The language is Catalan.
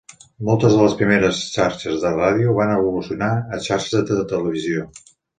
Moltes de les primeres xarxes de ràdio van evolucionar a xarxes de televisió.